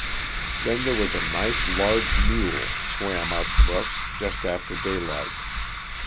Then there was a nice large mule swam out to us just after daylight.